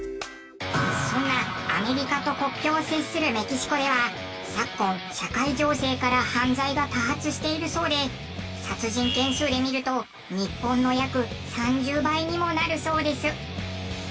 そんなアメリカと国境を接するメキシコでは昨今社会情勢から犯罪が多発しているそうで殺人件数で見ると日本の約３０倍にもなるそうです。